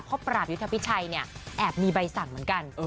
เพราะปราบยุทธพิชัยเนี่ยแอบมีใบสั่งเหมือนกัน